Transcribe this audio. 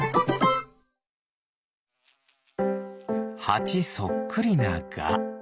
ハチそっくりなガ。